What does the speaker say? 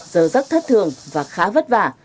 giờ rất thất thường và khá vất vả